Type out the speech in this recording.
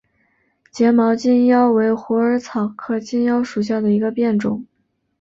睫毛金腰为虎耳草科金腰属下的一个变种。